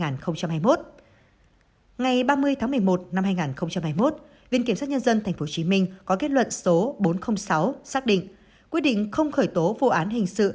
ngày ba mươi tháng một mươi một năm hai nghìn hai mươi một viện kiểm sát nhân dân tp hcm có kết luận số bốn trăm linh sáu xác định quyết định không khởi tố vụ án hình sự